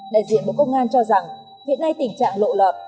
đại diện bộ công an cho rằng hiện nay tình trạng lộ lọt